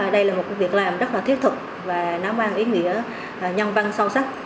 đây là một việc làm rất là thiết thực và nó mang ý nghĩa nhân văn sâu sắc